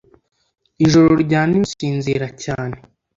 ijoro rya nijoro, gusinzira cyane,